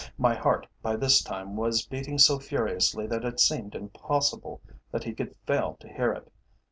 My heart by this time was beating so furiously that it seemed impossible that he could fail to hear it.